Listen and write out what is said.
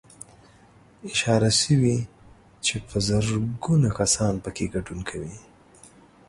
اشاره شوې چې په زرګونه کسان پکې ګډون کوي